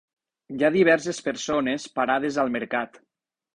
Hi ha diverses persones parades al mercat.